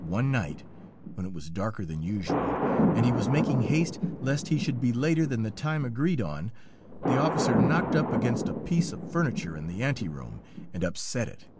"One night, when it was darker than usual, and he was making haste lest he should be later than the time agreed on, the officer knocked up against a piece of furniture in the ante room and upset it.